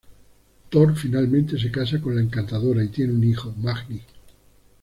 Thor finalmente se casa con la Encantadora y tiene un hijo, Magni.